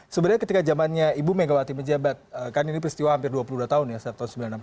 sebenarnya ketika zamannya ibu megawati menjabat kan ini peristiwa hampir dua puluh dua tahun ya tahun seribu sembilan ratus enam puluh